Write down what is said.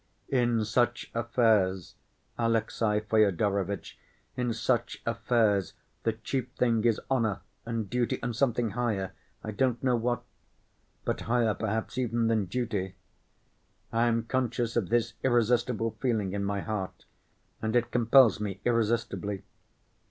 "In such affairs, Alexey Fyodorovitch, in such affairs, the chief thing is honor and duty and something higher—I don't know what—but higher perhaps even than duty. I am conscious of this irresistible feeling in my heart, and it compels me irresistibly.